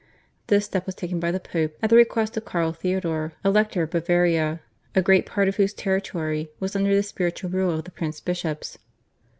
This step was taken by the Pope at the request of Carl Theodore, Elector of Bavaria, a great part of whose territory was under the spiritual rule of the prince bishops.